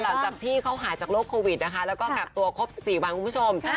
หลังจากที่เขาหายจากโรคโควิดนะคะแล้วก็กักตัวครบ๔วันคุณผู้ชม